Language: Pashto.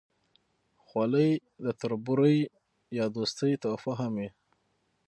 خولۍ د تربورۍ یا دوستۍ تحفه هم وي.